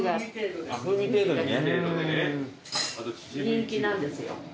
人気なんですよ。